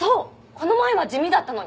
この前は地味だったのに。